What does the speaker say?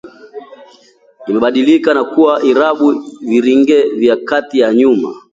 inabadilika na kuwa irabu viringe ya kati na nyuma